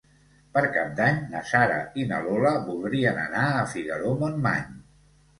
Per Cap d'Any na Sara i na Lola voldrien anar a Figaró-Montmany.